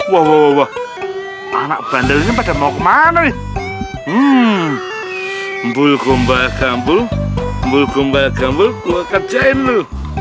wow anak bandelnya pada mau kemana nih hmm bulgomba gambul bulgomba gambul gua kerjain lu